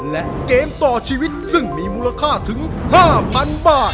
และเกมต่อชีวิตซึ่งมีมูลค่าถึง๕๐๐๐บาท